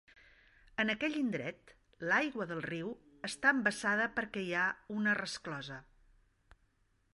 En aquell indret l'aigua del riu està embassada perquè hi ha una resclosa.